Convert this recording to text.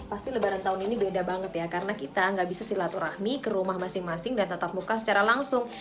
pasti lebaran tahun ini beda banget ya karena kita nggak bisa silaturahmi ke rumah masing masing dan tetap muka secara langsung